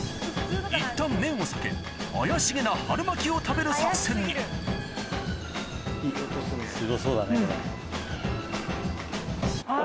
いったん麺を避け怪しげな春巻きを食べる作戦にすごそうだねこれ。